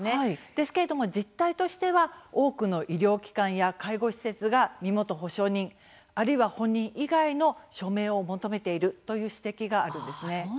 ですけれども実態としては多くの医療機関や介護施設が身元保証人、あるいは本人以外の署名を求めているという指摘があるんです。